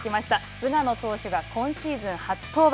菅野投手が今シーズン初登板。